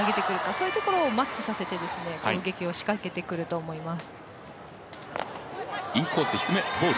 そういうところをマッチさせて攻撃を仕掛けてくると思います。